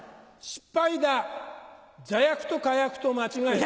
失敗だ座薬と火薬と間違えた。